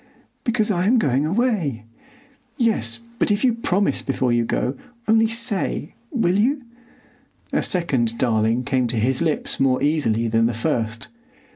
"Because I am going away." "Yes, but if you promise before you go. Only say—will you?" A second "darling' came to his lips more easily than the first.